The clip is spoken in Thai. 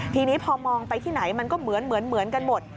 ทีนี้พอมองไปที่ไหนมันก็เหมือนกันหมด